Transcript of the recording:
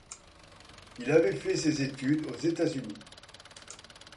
Il avait fait ses études aux États-Unis.